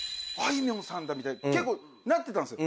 みたいに結構なってたんですよ。